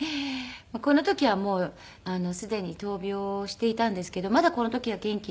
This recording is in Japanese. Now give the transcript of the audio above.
この時はもうすでに闘病していたんですけどまだこの時は元気で。